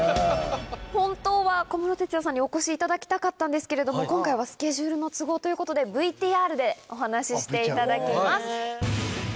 本当は小室哲哉さんにお越しいただきたかったんですけれども今回はスケジュールの都合ということでＶＴＲでお話ししていただきます。